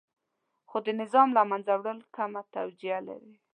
خو د نظام له منځه وړل کمه توجیه لري.